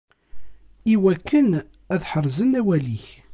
Iwakken ad ḥerzeɣ awal-ik.